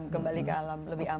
kembali ke alam lebih aman